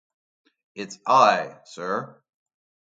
It's I, sir.